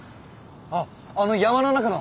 あっあの山の中の。